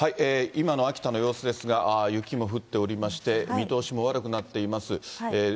今の秋田の様子ですが、雪も降っておりまして、見通しも悪くなっています。